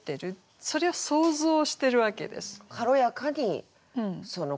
それを想像してるわけです。